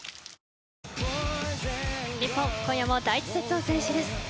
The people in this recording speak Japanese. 日本、今夜も第１セット先取です。